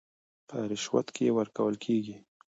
په رشوت کې ورکول کېږي